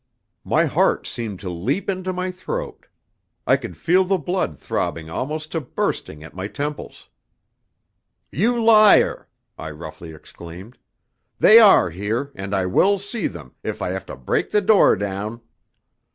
My heart seemed to leap into my throat. I could feel the blood throbbing almost to bursting at my temples. "You liar!" I roughly exclaimed. "They are here, and I will see them, if I have to break the door down!"